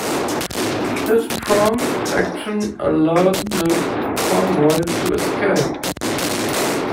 His prompt action allowed the convoy to escape.